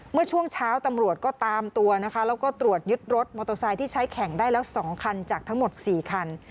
เมื่อช่วงเช้าตำรวจก็ตามตัวนะคะแล้วก็ตรวจยึดรถมอเตอร์ไซค์ที่ใช้แข่งได้แล้ว๒คันจากทั้งหมด๔คัน